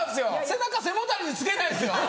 背中背もたれにつけてないんですよ。